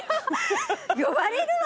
呼ばれるわ！